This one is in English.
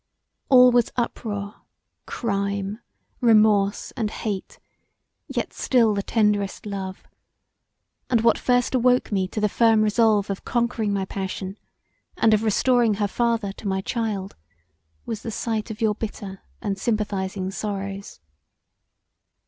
All was uproar, crime, remorse and hate, yet still the tenderest love; and what first awoke me to the firm resolve of conquering my passion and of restoring her father to my child was the sight of your bitter and sympathizing sorrows.